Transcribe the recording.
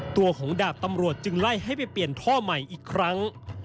ตัวของดาบตำรวจจึงไล่ให้ไปเปลี่ยนท่อใหม่อีกครั้ง